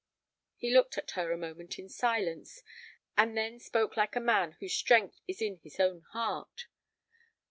He looked at her a moment in silence, and then spoke like a man whose strength is in his own heart.